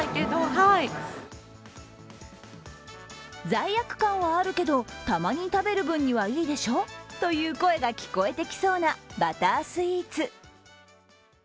罪悪感はあるけどたまに食べる分にはいいでしょ！という声が聞こえてきそうなバタースイーツ。